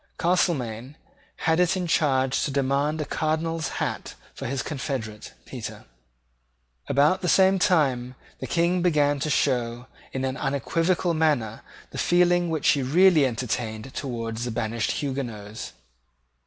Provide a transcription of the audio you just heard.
Castelmaine had it in charge to demand a Cardinal's hat for his confederate Petre. About the same time the King began to show, in an unequivocal manner, the feeling which he really entertained towards the banished Huguenots.